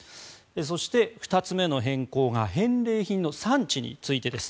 そして、２つ目の変更が返礼品の産地についてです。